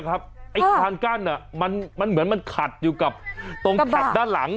ไอ้ทางกั้นเหมือนมันขัดอยู่กับตรงขัดด้านหลัง